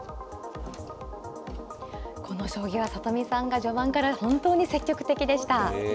この将棋は里見さんが序盤から本当に積極的でした。